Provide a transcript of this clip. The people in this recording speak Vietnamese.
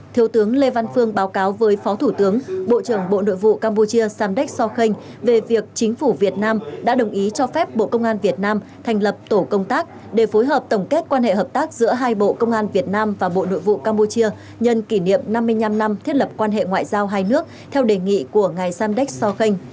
thiếu tướng lê văn phương báo cáo với phó thủ tướng bộ trưởng bộ nội vụ campuchia samdek sokhang về việc chính phủ việt nam đã đồng ý cho phép bộ công an việt nam thành lập tổ công tác để phối hợp tổng kết quan hệ hợp tác giữa hai bộ công an việt nam và bộ nội vụ campuchia nhân kỷ niệm năm mươi năm năm thiết lập quan hệ ngoại giao hai nước theo đề nghị của ngài samdek sokhang